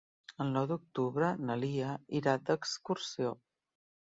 El nou d'octubre na Lia irà d'excursió.